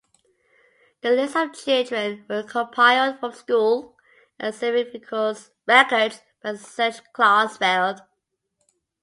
The lists of children were compiled from school and civic records by Serge Klarsfeld.